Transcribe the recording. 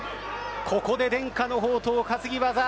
ここで伝家の宝刀、担ぎ技。